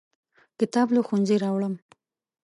کتاب له ښوونځي راوړم.